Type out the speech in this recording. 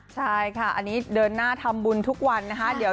ใช่ค่ะอันนี้เดินหน้าทำบุญทุกวันนะคะ